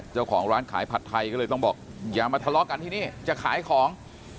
เจ้าของร้านขายผัดไทยก็เลยต้องบอกอย่ามาทะเลาะกันที่นี่จะขายของ